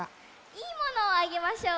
いいものをあげましょう！